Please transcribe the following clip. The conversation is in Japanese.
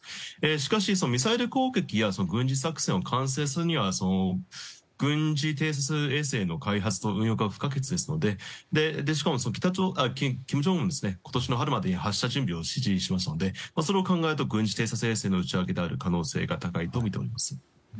しかし、ミサイル攻撃や軍事作戦を完成するには軍事偵察衛星の開発と運用が不可欠ですししかも、金正恩は今年の春までに発射準備を指示しましたので、その考えで軍事偵察衛星である可能性が高いとみております。